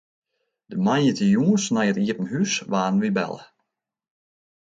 De moandeitejûns nei it iepen hús waarden wy belle.